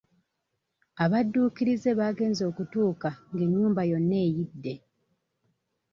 Abadduukirize baagenze okutuuka nga ennyumba yonna eyidde.